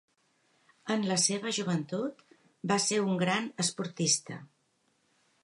En la seva joventut, va ser un gran esportista.